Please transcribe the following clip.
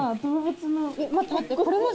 待って待って。